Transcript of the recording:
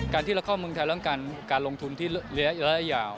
การที่เราเข้าเมืองไทยเรื่องการลงทุนที่ระยะยาว